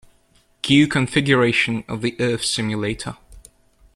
Queue configuration of the Earth Simulator.